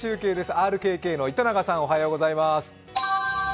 ＲＫＫの糸永さん、おはようございます。